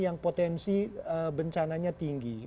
yang potensi bencananya tinggi